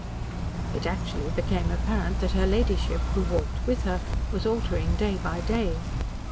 It actually became apparent that her ladyship, who walked with her, was altering day by day.